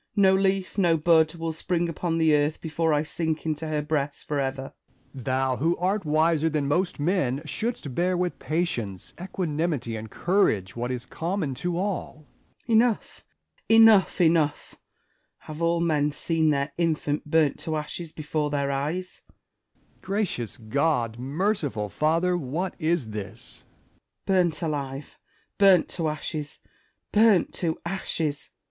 No leaf, no bud, will spring upon the earth before I sink into her breast for ever. Essex. Thou, who art wiser than most men, shouldst bear with patience, equanimity, and courage what is common to all. Spenser. Enough, enough, enough I Have all men seen their infant burnt to ashes before their eyes ? Essex. Gracious God ! Merciful Father ! what is this 1 Spenser. Burnt alive 1 burnt to ashes ! burnt to ashes